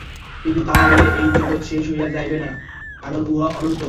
কিন্তু তাহা হইলেও এই জগৎ শেষ হইয়া যাইবে না, কারণ উহা অনন্ত।